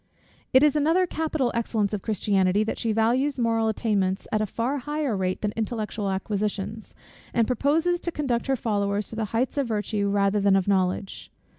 It is another capital excellence of Christianity, that she values moral attainments at a far higher rate than intellectual acquisitions, and proposes to conduct her followers to the heights of virtue rather than of knowledge.